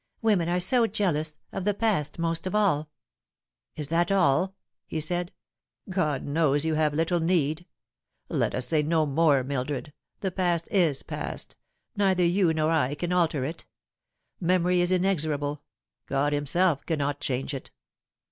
Women are so jealous of the past most of all." " Is that all?" he said: "God knows you have little need. Let us say no more, Mildred. The past is past : neither you nor I can alter it. Memory is inexorable. God Himself cannot change it."